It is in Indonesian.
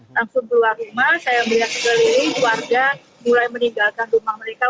langsung keluar rumah saya melihat sekeliling warga mulai meninggalkan rumah mereka